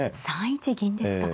３一銀ですか。